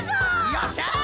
よっしゃ！